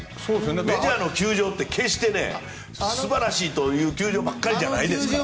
メジャーの球場って決して素晴らしい球場ばかりじゃないですから。